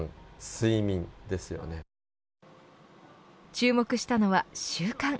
注目したのは習慣。